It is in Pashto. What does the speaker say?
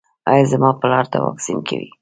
ایا زما پلار ته واکسین کوئ؟